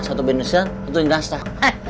satu batu nisan satu jenazah